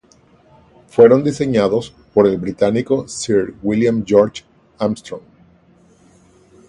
Fueron diseñados por el británico sir William George Armstrong.